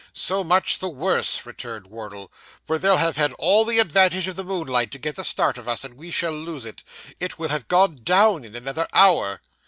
'So much the worse,' returned Wardle; 'for they'll have had all the advantage of the moonlight to get the start of us, and we shall lose it. It will have gone down in another hour.